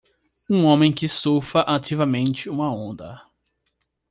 Um homem que surfa ativamente uma onda.